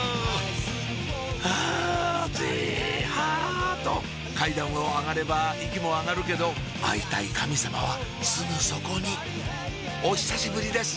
ハァゼハっと階段を上がれば息も上がるけど会いたい神様はすぐそこにお久しぶりです